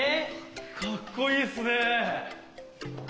かっこいいっすね。